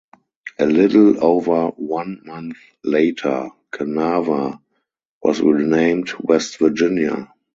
A little over one month later, Kanawha was renamed West Virginia.